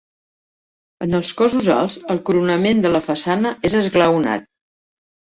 En els cossos alts el coronament de la façana és esglaonat.